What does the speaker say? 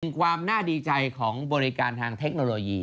ความน่าดีใจของบริการทางเทคโนโลยี